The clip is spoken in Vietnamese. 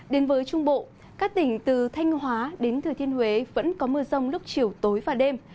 đến với trung bộ các tỉnh từ thanh hóa đến thừa thiên huế vẫn có mưa rông lúc chiều tối và đêm